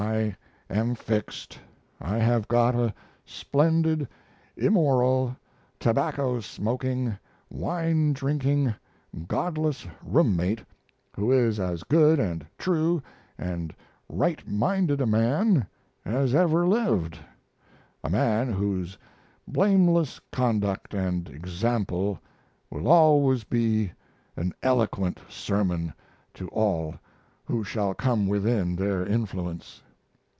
I am fixed. I have got a splendid, immoral, tobacco smoking, wine drinking, godless roommate who is as good and true and right minded a man as ever lived a man whose blameless conduct and example will always be an eloquent sermon to all who shall come within their influence.